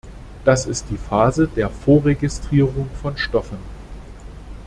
Das ist die Phase der Vorregistrierung von Stoffen.